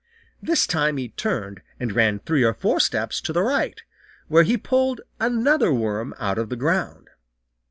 This time he turned and ran three or four steps to the right, where he pulled another worm out of the ground.